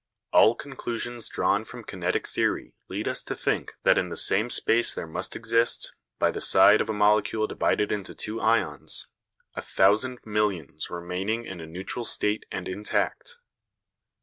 All conclusions drawn from kinetic theory lead us to think that in the same space there must exist, by the side of a molecule divided into two ions, a thousand millions remaining in a neutral state and intact.